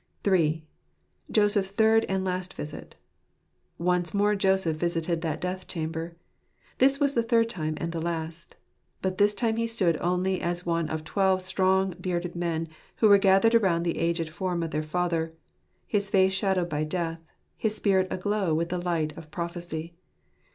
III. Joseph's Third and Last Visit. — Once more Joseph visited that death chamber. This was the third time and the last. But this time he stood only as one of twelve strong, bearded men, who gathered around the aged form of their father, his face shadowed by death, his spirit aglow with the light of prophecy.